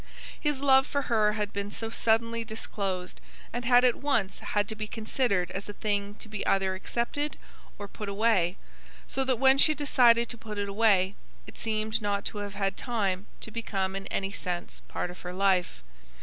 His love for her had been so suddenly disclosed, and had at once had to be considered as a thing to be either accepted or put away; so that when she decided to put it away, it seemed not to have had time to become in any sense part of her life.